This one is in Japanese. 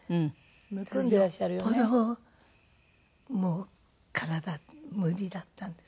よっぽどもう体無理だったんですね。